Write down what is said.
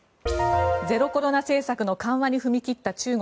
ゼロコロナ政策の緩和に踏み切った中国。